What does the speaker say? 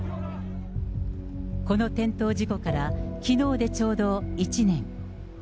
この転倒事故からきのうでちょうど１年。